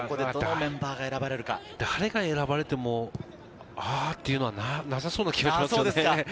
誰が選ばれてもあっていうのは、なさそうな気がします。